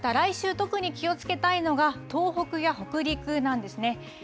また来週、特に気をつけたいのが東北や北陸なんですね。